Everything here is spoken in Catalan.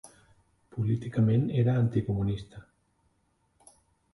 Políticament era anticomunista.